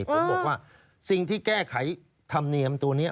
ผมบอกว่าสิ่งที่แก้ไขธรรมเนียมตัวนี้